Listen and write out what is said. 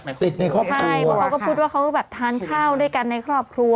ใช่เพราะเขาก็พูดว่าเขาก็แบบทานข้าวด้วยกันในครอบครัว